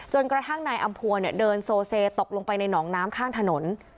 กระทั่งนายอำภัวเดินโซเซตกลงไปในหนองน้ำข้างถนน